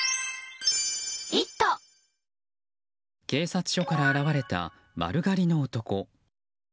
警察署から現れた丸刈りの男。